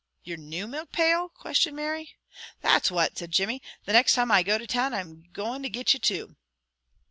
"Your new milk pail?" questioned Mary. "That's what!" said Jimmy. "The next time I go to town I'm goin' to get you two."